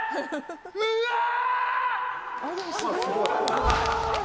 うわー！